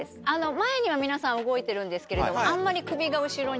前には皆さん動いてるんですけれどあんまり。